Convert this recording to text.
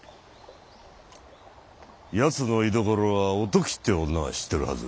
奴の居所はお時って女が知ってるはず。